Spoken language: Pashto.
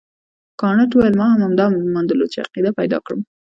کانت وویل ما هم همدا ارمان درلود چې عقیده پیدا کړم.